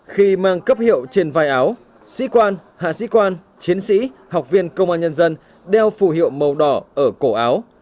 khi mang cấp hiệu trên vai áo sĩ quan hạ sĩ quan chiến sĩ học viên công an nhân dân đeo phủ hiệu màu đỏ ở cổ áo